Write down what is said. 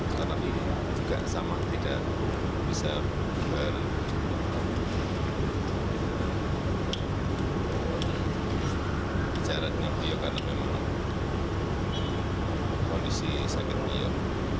tetapi juga sama tidak bisa berbicara dengan beliau karena memang kondisi sakit beliau